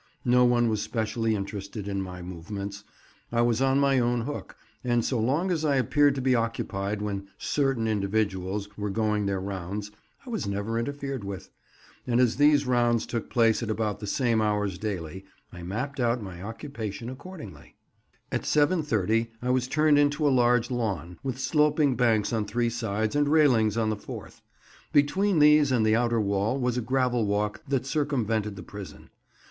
No one was specially interested in my movements. I was on my own hook, and so long as I appeared to be occupied when certain individuals were going their rounds, I was never interfered with; and as these rounds took place at about the same hours daily, I mapped out my occupation accordingly. [Picture: Gardening. "The Line Clear."] At 7.30 I was turned into a large lawn, with sloping banks on three sides and railings on the fourth; between these and the outer wall was a gravel walk that circumvented the prison.